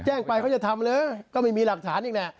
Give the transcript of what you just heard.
แจ้งไปเขาจะทำเลยก็ไม่มีหลักฐานอีกแหละ